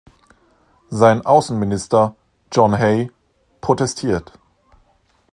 Sein Außenminister, John Hay, protestiert.